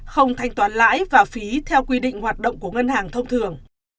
không thanh toán lãi và phí theo quy định hoạt động của ngân hàng thông thường